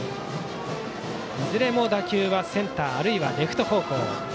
いずれも打球はセンターあるいはレフト方向。